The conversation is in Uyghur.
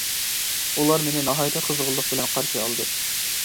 ئۇلار مېنى ناھايىتى قىزغىنلىق بىلەن قارشى ئالدى.